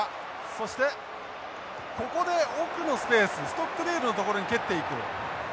そしてここで奥のスペースストックデールの所に蹴っていく。